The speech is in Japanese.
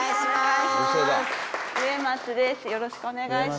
よろしくお願いします。